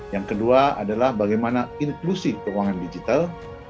yang kedua adalah bagaimana inklusi keuangan digital